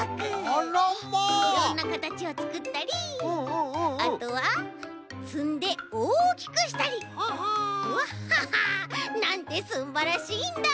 いろんなかたちをつくったりあとはつんでおおきくしたりワッハハなんてすんばらしいんだ！